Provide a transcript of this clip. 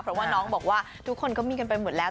เพราะว่าน้องบอกว่าทุกคนก็มีกันไปหมดแล้ว